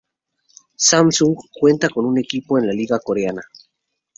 Samsung cuenta con un equipo en la liga coreana.